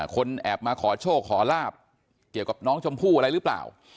คนแอบมาขอโชคขอลาบเกี่ยวกับน้องชมพู่อะไรหรือเปล่า